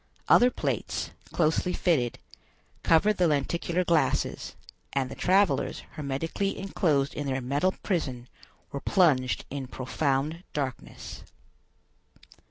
Other plates, closely fitted, covered the lenticular glasses, and the travelers, hermetically enclosed in their metal prison, were plunged in profound darkness.